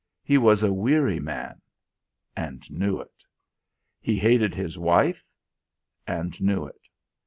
He was a weary man, and knew it. He hated his wife, and knew it.